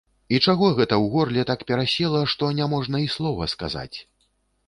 І чаго гэта ў горле так перасела, што не можна й слова сказаць?